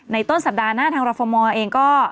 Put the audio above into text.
ต้นสัปดาห์หน้าทางรฟมเองก็